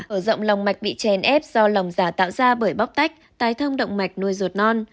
ở rộng lòng mạch bị chèn ép do lòng giả tạo ra bởi bóc tách tái thông động mạch nuôi ruột non